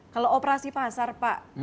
kalau operasi pasar pak